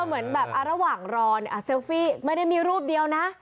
เหมือนแบบระหว่างรอเนี่ยเซลฟี่ไม่ได้มีรูปเดียวนะ